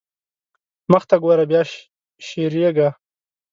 مخته ګوره بيا شېرېږا.